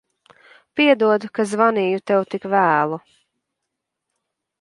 Piedod, ka zvanīju tev tik vēlu.